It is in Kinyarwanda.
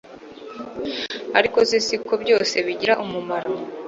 ariko si ko byose bigira umumaro